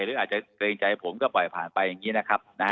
หรืออาจจะเกรงใจผมก็ปล่อยผ่านไปอย่างนี้นะครับ